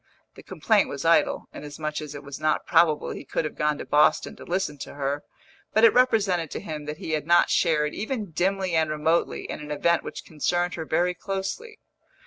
The complaint was idle, inasmuch as it was not probable he could have gone to Boston to listen to her; but it represented to him that he had not shared, even dimly and remotely, in an event which concerned her very closely.